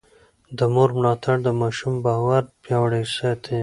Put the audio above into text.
د مور ملاتړ د ماشوم باور پياوړی ساتي.